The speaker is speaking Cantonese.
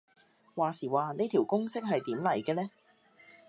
話時話呢條公式係點嚟嘅呢